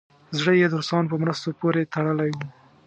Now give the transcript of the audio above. زړه یې د روسانو په مرستو پورې تړلی وو.